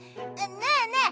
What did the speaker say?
ねえねえ